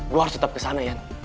gue harus tetep kesana iyan